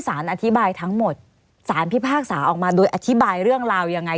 สารอธิบายทั้งหมดสารพิพากษาออกมาโดยอธิบายเรื่องราวยังไง